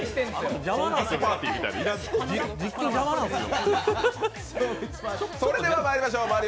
実況、邪魔なんすよ。